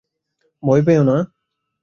ভয় পেয়ো না!